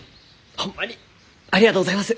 ホンマにありがとうございます。